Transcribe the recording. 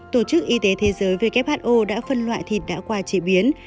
tổ chức y tế thế giới who đã phân loại thịt đã qua chế biến